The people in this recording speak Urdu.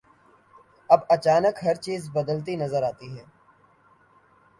اب اچانک ہر چیز بدلتی نظر آتی ہے۔